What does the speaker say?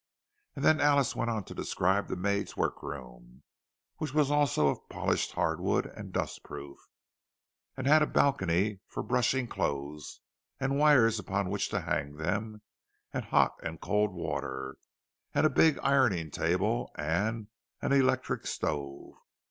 And then Alice went on to describe the maid's work room, which was also of polished hardwood, and dust proof, and had a balcony for brushing clothes, and wires upon which to hang them, and hot and cold water, and a big ironing table and an electric stove.